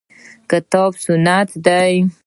کتاب سنت دي.